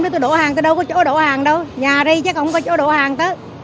nó cứ đổ hàng tới đâu có chỗ đổ hàng đâu nhà ri chắc không có chỗ đổ hàng tới